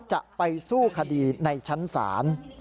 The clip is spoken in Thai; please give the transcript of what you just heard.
จะไปสู้คดีในชั้นศาล